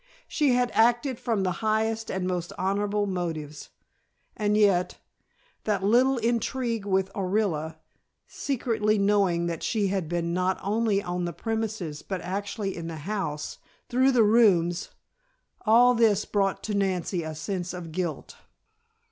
She had acted from the highest and most honorable motives, and yet, that little intrigue with Orilla, secretly knowing that she had been not only on the premises but actually in the house, through the rooms all this brought to Nancy a sense of guilt.